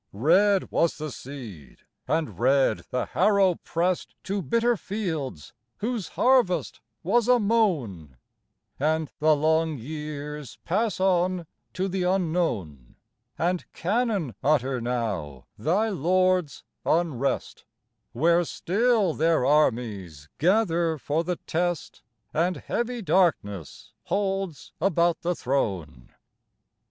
Red was the seed and red the harrow pressed To bitter fields whose harvest was a moan ; And the long years pass on to the unknown, And cannon utter now thy lords unrest, Where still their armies gather for the test, And heavy darkness holds about the throne.